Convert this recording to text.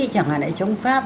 chẳng hạn lại chống pháp